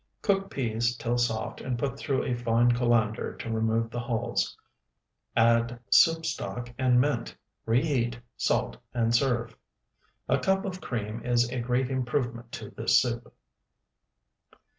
Cook peas till soft and put through a fine colander to remove the hulls. Add soup stock and mint, reheat, salt, and serve. A cup of cream is a great improvement to this soup.